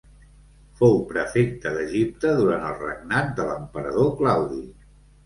Fou prefecte d'Egipte durant el regnat de l'emperador Claudi.